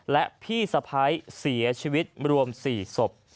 และพี่สะพ้ายเสียชีวิตรวม๔ศพ